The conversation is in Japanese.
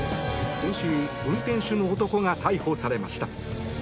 今週、運転手の男が逮捕されました。